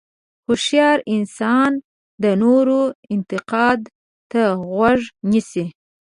هوښیار انسان د نورو انتقاد ته غوږ نیسي.